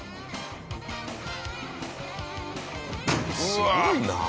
すごいな。